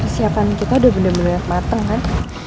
kesiapan kita udah bener bener mateng kan